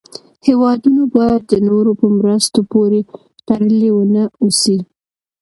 هېوادونه باید د نورو په مرستو پورې تړلې و نه اوسي.